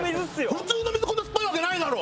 普通の水こんな酸っぱいわけないだろ！